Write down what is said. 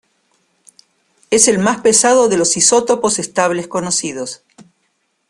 Es el más pesado de los isótopos estables conocidos.